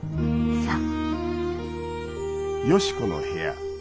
そう。